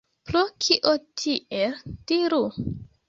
Pro kio tiel, diru?